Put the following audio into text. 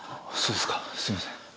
そうですかすみません。